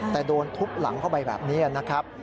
แต่โดนทุบหลังเข้าไปแบบนี้นะครับ